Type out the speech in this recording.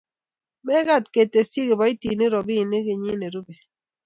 mekat ketesyi kiboitinik robinik kenyit ne rubei